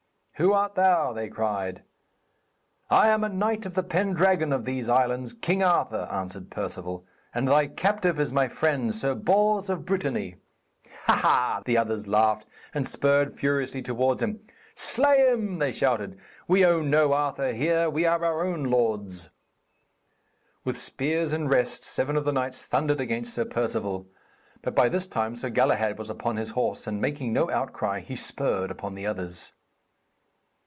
'Who art thou?' they cried. 'I am a knight of the Pendragon of these islands, King Arthur,' answered Perceval, 'and thy captive is my friend, Sir Bors of Brittany.' 'Ha! ha!' the others laughed, and spurred furiously towards him. 'Slay him!' they shouted. 'We own no Arthur here. We are our own lords.' With spears in rest, seven of the knights thundered against Sir Perceval. But by this time Sir Galahad was upon his horse, and, making no outcry, he spurred upon the others.